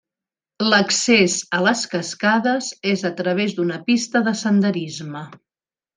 L'accés a les cascades és a través d'una pista de senderisme.